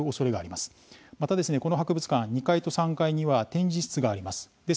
また、この博物館２階と３階には展示室があります。